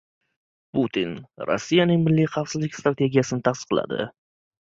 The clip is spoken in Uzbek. Putin Rossiyaning milliy xavfsizlik strategiyasini tasdiqladi